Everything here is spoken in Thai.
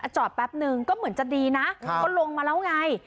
จอดแป๊บนึงก็เหมือนจะดีนะก็ลงมาแล้วไง